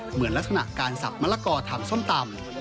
เหมือนลักษณะการสับมะละกอทำส้มตำ